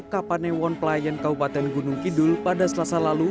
kapanewon pelayan kabupaten gunung kidul pada selasa lalu